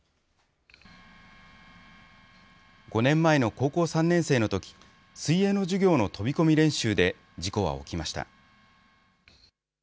５年前の高校３年生のとき、水泳の授業の飛び込み練習で事故は起きました。